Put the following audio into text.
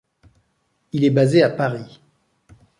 Il est basé à Paris.